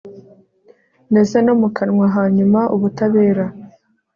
Ndetse no mu kanwa Hanyuma ubutabera